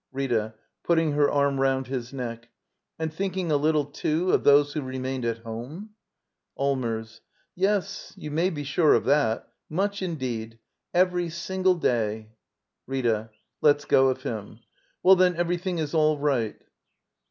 Rita. [Putting her ann round his neck.] And thinking a little, too, of those who remained at home? Allmers. Yes, you may be sure of that. Mudi, indeed. Every single day. Rita. [Lets go of him.] Well, then every thing is all right.